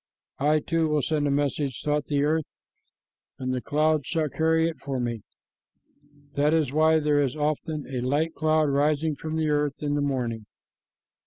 "I, too, will send a message," thought the earth, "and the clouds shall carry it for me." That is why there is often a light cloud rising from the earth in the morning.